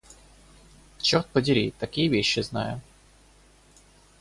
Чёрт подери! такие вещи знаю...